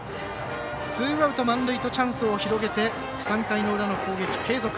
ツーアウト満塁とチャンスを広げて３回の裏の攻撃、継続。